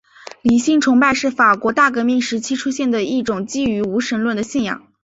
理性崇拜是法国大革命时期出现的一种基于无神论的信仰。